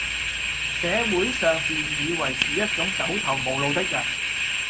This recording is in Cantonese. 社會上便以爲是一種走投無路的人，